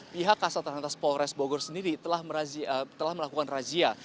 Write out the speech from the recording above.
pihak kasat lantas polres bogor sendiri telah melakukan razia